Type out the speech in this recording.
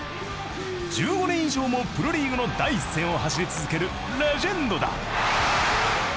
１５年以上もプロリーグの第一線を走り続けるレジェンドだ！